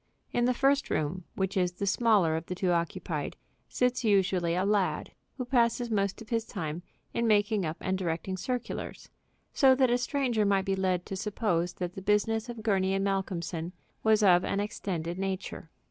In the first room, which is the smaller of the two occupied, sits usually a lad, who passes most of his time in making up and directing circulars, so that a stranger might be led to suppose that the business of Gurney & Malcolmson was of an extended nature.